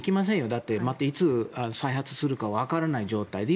だって、またいつ再発するか分からない状態で。